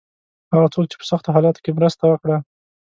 هغه څوک چې په سختو حالاتو کې مرسته وکړه.